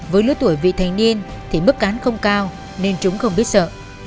với lứa tuổi vị thành niên thì mức án không cao nên chúng không biết sợ